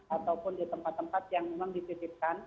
ataupun di tempat tempat yang memang dititipkan